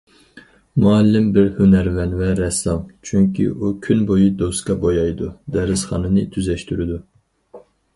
مۇئەللىم بىر ھۈنەرۋەن ۋە رەسسام، چۈنكى ئۇ كۈن بويى دوسكا بويايدۇ، دەرسخانىنى تۈزەشتۈرىدۇ.